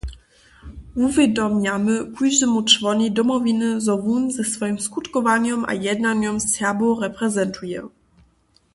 Wuwědomjamy kóždemu čłonej Domowiny, zo wón ze swojim skutkowanjom a jednanjom Serbow reprezentuje.